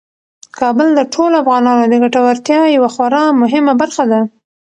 کابل د ټولو افغانانو د ګټورتیا یوه خورا مهمه برخه ده.